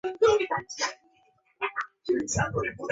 天宝十四载爆发了安史之乱。